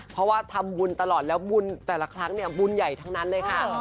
เพราะว่าทำบุญตลอดแล้วบุญแต่ละครั้งเนี่ยบุญใหญ่ทั้งนั้นเลยค่ะ